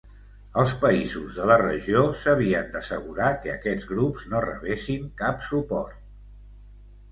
Els països de la regió s'havien d'assegurar que aquests grups no rebessin cap suport.